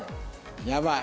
やばい。